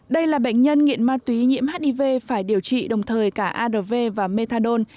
đây là bệnh nhân nghiện ma túy nhiễm hiv phải điều trị đồng thời cả arv và methadone